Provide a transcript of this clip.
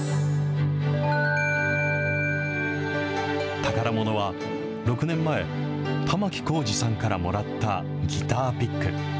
宝ものは、６年前、玉置浩二さんからもらったギターピック。